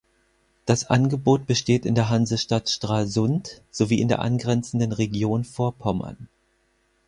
Das Angebot besteht in der Hansestadt Stralsund sowie in der angrenzenden Region Vorpommern.